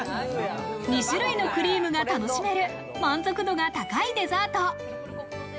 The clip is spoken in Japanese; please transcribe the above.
２種類のクリームが楽しめる、満足度が高いデザート。